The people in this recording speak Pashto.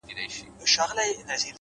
ژور فکر غوره پرېکړې زېږوي’